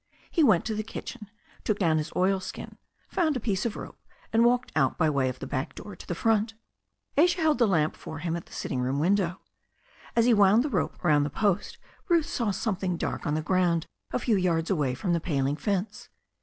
He went to the kitchen, took down his oilskin, found a piece of rope, and walked out by way of the back door to the front Asia held the lamp for him at the sitting room window. As he wound the rope round the post, Bruce saw some thing dark on the ground a few yards away from the paling fence.